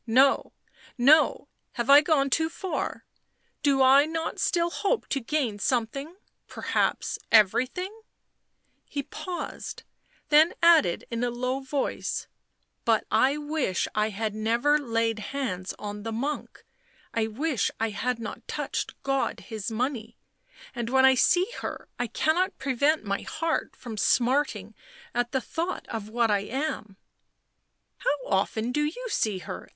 " No, no — have I not gone too far ? Do I not still hope to gain some thing — perhaps everything ?" He paused, then added in a low voice, " But I wish I had never laid hands on the monk. I wish I had not touched God His money — and when I see her I cannot prevent my heart from smarting at the hought of what I am?" " How often do you see her